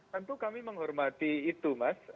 tentu kami menghormati itu mas